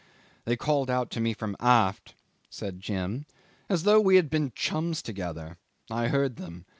"They called out to me from aft," said Jim, "as though we had been chums together. I heard them.